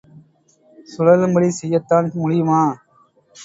சுழலும்படி செய்யத்தான் முடியுமா?